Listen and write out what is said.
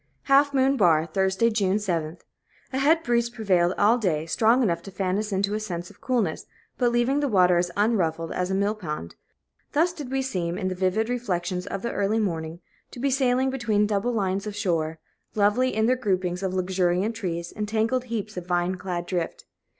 Half Moon Bar, Thursday, June 7th. A head breeze prevailed all day, strong enough to fan us into a sense of coolness, but leaving the water as unruffled as a mill pond; thus did we seem, in the vivid reflections of the early morning, to be sailing between double lines of shore, lovely in their groupings of luxuriant trees and tangled heaps of vine clad drift.